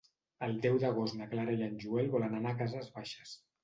El deu d'agost na Clara i en Joel volen anar a Cases Baixes.